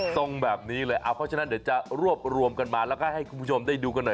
ตรงแบบนี้เลยเอาเพราะฉะนั้นเดี๋ยวจะรวบรวมกันมาแล้วก็ให้คุณผู้ชมได้ดูกันหน่อย